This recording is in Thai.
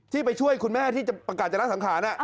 ที่ไปช่วยคุณแม่ที่ประกาศจรรย์สังขาร